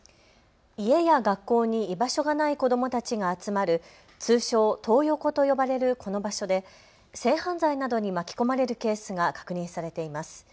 家や学校に居場所がない子どもたちが集まる通称トー横と呼ばれるこの場所で性犯罪などに巻き込まれるケースが確認されています。